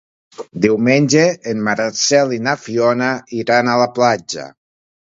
Diumenge en Marcel i na Fiona iran a la platja.